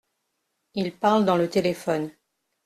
Il parle dans le téléphone.